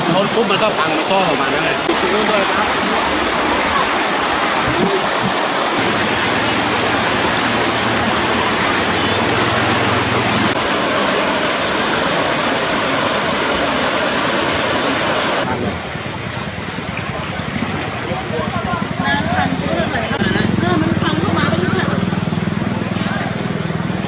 หลุดปุ๊บเลยครับผักหนึ่งท้องเข้ามาเนี้ยเลย